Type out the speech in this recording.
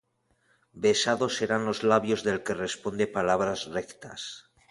Besados serán los labios Del que responde palabras rectas.